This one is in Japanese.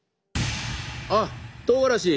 あっとうがらし！